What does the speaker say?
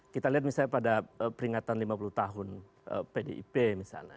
kita lihat misalnya pada peringatan lima puluh tahun pdip misalnya